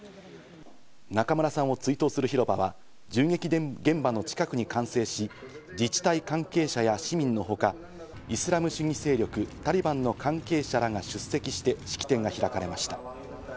中村さんを追悼する広場は銃撃現場の近くに完成し、自治体関係者や市民のほか、イスラム主義勢力タリバンの関係者らが出席して式典が開かれました。